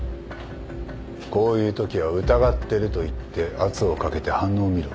こういうときは「疑ってる」と言って圧をかけて反応を見ろ。